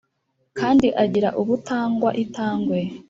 Kandi agira ubutangwa itangwe